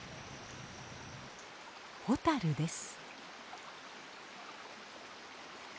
ホタルです。